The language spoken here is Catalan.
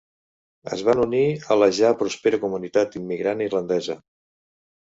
Es van unir a la ja pròspera comunitat immigrant irlandesa.